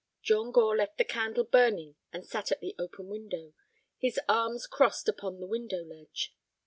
John Gore left the candle burning and sat at the open window, his arms crossed upon the window ledge.